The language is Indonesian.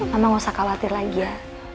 mama gak usah khawatir lagi ya